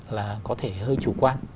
là có thể hơi chủ quan